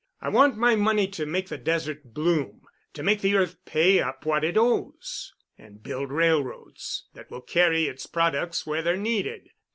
I want my money to make the desert bloom—to make the earth pay up what it owes, and build railroads that will carry its products where they're needed.